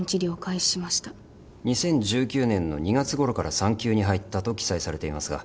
２０１９年の２月ごろから産休に入ったと記載されていますが。